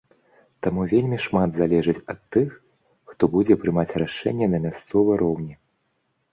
Таму вельмі шмат залежыць ад тых, хто будзе прымаць рашэнні на мясцовы роўні.